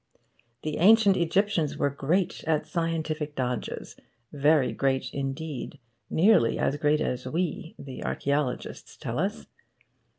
The ancient Egyptians were great at scientific dodges very great indeed, nearly as great as we, the archaeologists tell us.